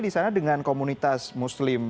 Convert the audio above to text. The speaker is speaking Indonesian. di sana dengan komunitas muslim